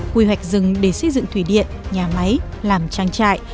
quy hoạch rừng để xây dựng thủy điện nhà máy làm trang trại